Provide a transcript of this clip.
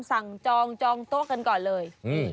จองจองโต๊ะกันก่อนเลย